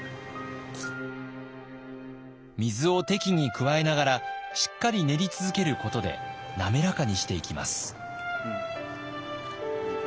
水を適宜加えながらしっかり練り続けることで滑らかにしていきます。